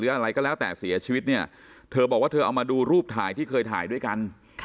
อะไรก็แล้วแต่เสียชีวิตเนี่ยเธอบอกว่าเธอเอามาดูรูปถ่ายที่เคยถ่ายด้วยกัน